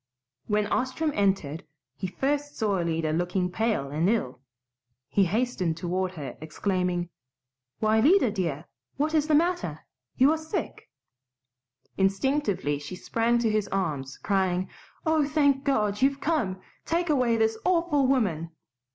When Ostrom entered he first saw Alida looking pale and ill. He hastened toward her exclaiming, "Why, Lida, dear, what is the matter? You are sick!" Instinctively she sprang to his arms, crying, "Oh, thank God! You've come. Take away this awful woman!"